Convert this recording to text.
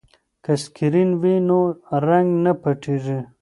که سکرین وي نو رنګ نه پټیږي.